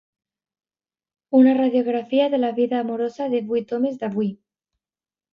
Una radiografia de la vida amorosa de vuit homes d'avui.